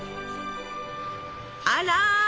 あら！